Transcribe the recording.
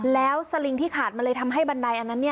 แล้วสลิงที่ขาดมันเลยทำให้บันไดอันนั้นเนี่ย